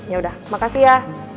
yaudah makasih ya